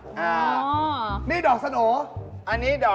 ช่วยเราเอาอะไรดีอะ